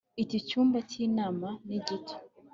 Iki cyumba cyinama ni gito